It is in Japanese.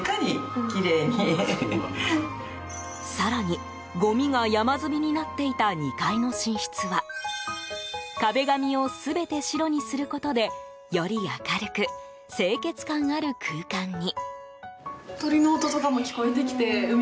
更に、ごみが山積みになっていた２階の寝室は壁紙を全て白にすることでより明るく清潔感ある空間に。